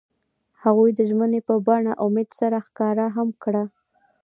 هغوی د ژمنې په بڼه امید سره ښکاره هم کړه.